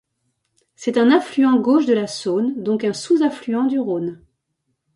C'est un affluent gauche de la Saône, donc un sous-affluent du Rhône.